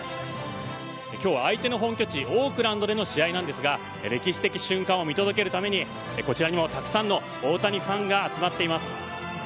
今日相手の本拠地オークランドでの試合ですが歴史的瞬間を見届けるためにこちらにもたくさんの大谷ファンが集まっています。